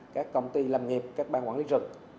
các công ty làm nghiệp các bang quản lý rừng